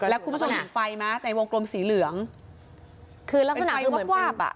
แล้วคุณผู้สนับไฟมาในวงกลมสีเหลืองคือลักษณะคือเหมือนวาบอ่ะ